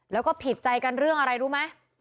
แล้วก็ผิดใจกันเรื่องอะไรรู้ไหม